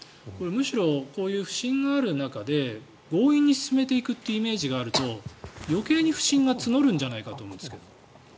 むしろこういう不信がある中で強引に進めていくというイメージがあると余計に不信が募るんじゃないかと思うんですけど。